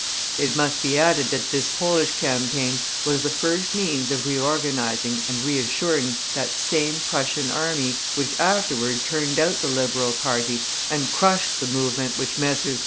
It must be added that this Polish campaign was the first means of reorganizing and reassuring that same Prussian army, which afterward turned out the Liberal party, and crushed the movement which Messrs.